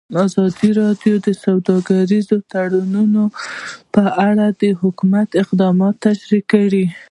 ازادي راډیو د سوداګریز تړونونه په اړه د حکومت اقدامات تشریح کړي.